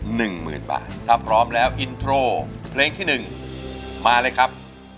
หนึ่งหมื่นบาทถ้าพร้อมแล้วอินโทรเพลงที่หนึ่งมาเลยครับ